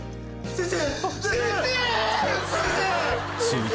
先生！